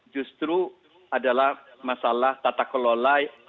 justru adalah masalah tata kelola